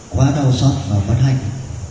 quá đau xót và vất hạnh